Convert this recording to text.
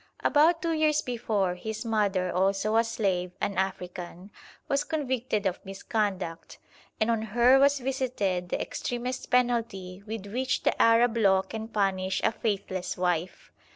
About two years before, his mother, also a slave, an African, was convicted of misconduct, and on her was visited the extremest penalty with which the Arab law can punish a faithless wife.